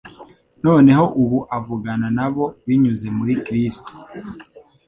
noneho ubu avugana nabo binyuze muri Kristo.